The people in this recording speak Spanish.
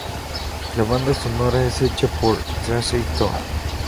La banda sonora es hecha por Tracey Thorn.